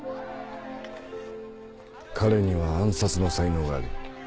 彼には暗殺の才能がある